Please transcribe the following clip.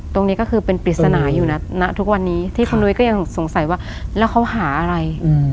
ตรงนี้ก็คือเป็นปริศนาอยู่นะณทุกวันนี้ที่คุณนุ้ยก็ยังสงสัยว่าแล้วเขาหาอะไร